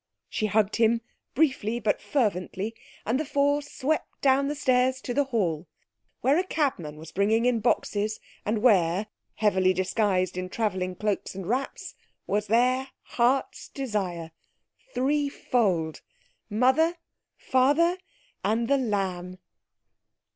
She hugged him briefly but fervently, and the four swept down the stairs to the hall, where a cabman was bringing in boxes, and where, heavily disguised in travelling cloaks and wraps, was their hearts' desire—three fold—Mother, Father, and The Lamb.